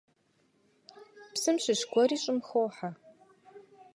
Псым щыщ гуэри щӀым хохьэ.